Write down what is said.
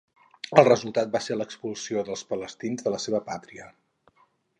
El resultat va ser l'expulsió dels palestins de la seva pàtria.